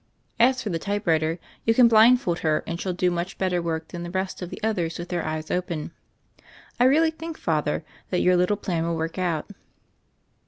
As for the typewriter, you can blindfold her, and she'll do much better work than the best of the others with their eyes open. I really think, Father, that your little plan will work out."